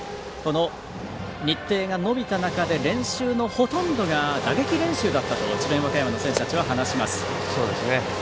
日程が伸びた中で練習のほとんどが打撃練習だったと智弁和歌山の選手たちは話します。